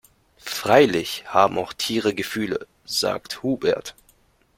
Freilich haben auch Tiere Gefühle, sagt Hubert.